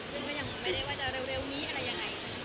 ซึ่งก็ยังไม่ได้ว่าจะเร็วนี้อะไรยังไง